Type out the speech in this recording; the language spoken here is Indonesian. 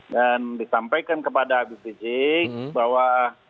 dan disampaikan kepada habib rizik bahwa